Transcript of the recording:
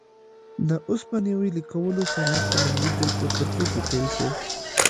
د اوسپنې ویلې کولو صنعت په لومړي ځل په ترکیه کې پیل شو.